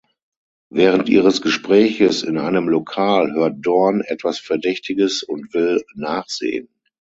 Während ihres Gespräches in einem Lokal hört Dorn etwas Verdächtiges und will nachsehen.